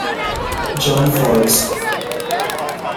John Forbes